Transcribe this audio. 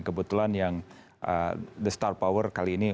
kebetulan yang the star power kali ini